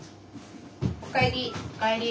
お帰り。